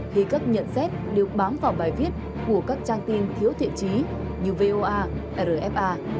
khi các nhận xét đều bám vào bài viết của các trang tin thiếu thiện trí như voa rfa